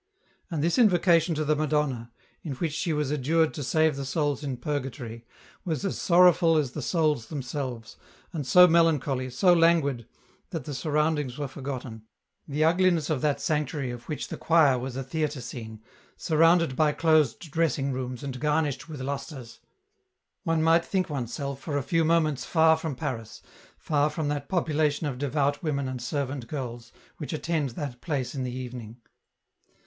And this invocation to the Madonna, in which she was adjured to save the souls in Purgatory, was as sorrowful as the souls themselves, and so melancholy, so languid, that the surroundings were forgotten, the ugliness of that sanctuary of which the choir was a theatre scene, surrounded by closed dressing rooms and garnished with lustres, one might think oneself for a few moments far from Paris, far from that population of devout women and servant girls, which attend that place in the evening.